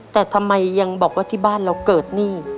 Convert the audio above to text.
แต่ทำไมยังบอกว่าที่บ้านเราเกิดหนี้